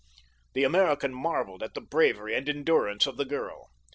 The American marveled at the bravery and endurance of the girl.